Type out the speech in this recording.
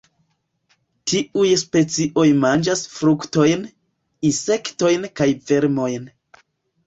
Tiuj specioj manĝas fruktojn, insektojn kaj vermojn.